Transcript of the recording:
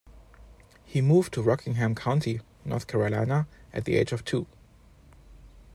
He moved to Rockingham County, North Carolina at the age of two.